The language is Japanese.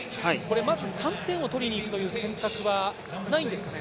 まず３点を取りに行くという選択はないんですかね？